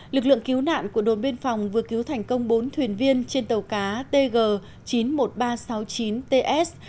lực lượng cứu nạn của đồn biên phòng vừa cứu thành công bốn thuyền viên trên tàu cá tg chín mươi một nghìn ba trăm sáu mươi chín ts